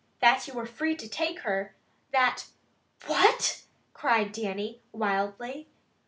That you were free to take her. That " "What!" cried Dannie wildly.